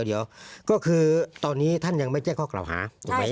เดี๋ยวก็คือตอนนี้ท่านยังไม่เจอก้อกล่องเขาหา